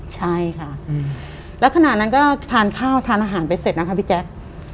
ใช่ค่ะแล้วขณะนั้นก็ทานข้าวทานอาหารไปเสร็จนะคะพี่แจ๊ค